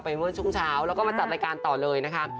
เมื่อช่วงเช้าแล้วก็มาจัดรายการต่อเลยนะคะ